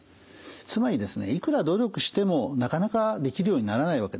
つまりですねいくら努力してもなかなかできるようにならないわけですね。